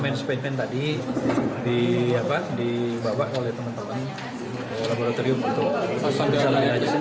spesimen spesimen tadi dibawa oleh teman teman laboratorium